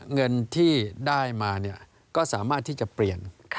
เงินที่ได้มาก็สามารถที่จะเปลี่ยน